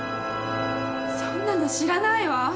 そんなの知らないわ。